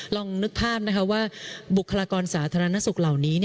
ลองนึกภาพนะคะว่าบุคลากรสาธารณสุขเหล่านี้